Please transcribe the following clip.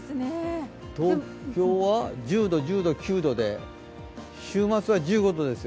東京は１０度、１０度、９度で週末は１５度ですよ。